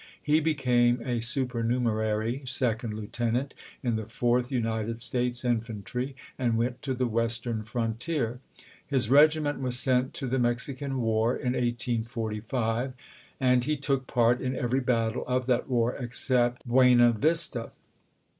He became a supernumerary second lieutenant in the Fourth United States Infantry, and went to the Western frontier. His regiment was sent to the Mexican war in 1845, and he took part in every battle of that war except Buena Vista.